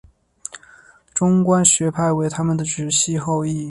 中观学派为他们的直系后裔。